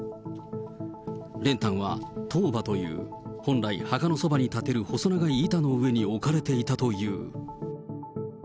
練炭は塔婆という本来、墓のそばにたてる細長い板の上に置かれていたという。